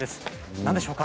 なんでしょうか？